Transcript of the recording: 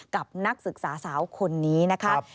กับนักศึกษาสาวคนนี้นะคะ